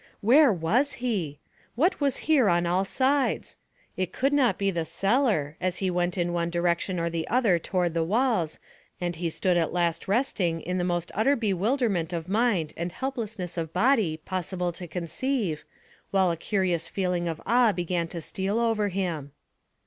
Where was he? What was here on all sides? It could not be the cellar, as he went in one direction or the other toward the walls, and he stood at last resting, in the most utter bewilderment of mind and helplessness of body possible to conceive, while a curious feeling of awe began to steal over him.